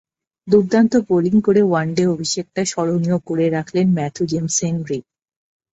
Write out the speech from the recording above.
দুর্দান্ত বোলিং করে ওয়ানডে অভিষেকটা স্মরণীয় করে রাখলেন ম্যাথু জেমস হেনরি।